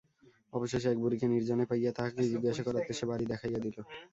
অবশেষে এক বুড়িকে নির্জনে পাইয়া তাহাকেই জিজ্ঞাসা করাতে সে বাড়ি দেখাইয়া দিল।